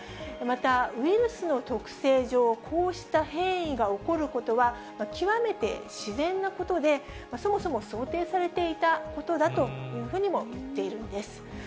また、ウイルスの特性上、こうした変異が起こることは、極めて自然なことで、そもそも想定されていたことだというふうにも言っているんです。